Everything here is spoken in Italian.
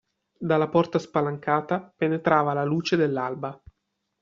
Dalla porta spalancata penetrava la luce dell'alba.